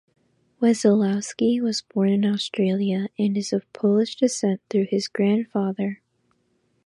Wesolowski was born in Australia, and is of Polish descent through his grandfather.